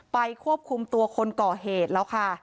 ควบคุมตัวคนก่อเหตุแล้วค่ะ